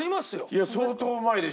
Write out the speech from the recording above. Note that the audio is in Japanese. いや相当うまいでしょ。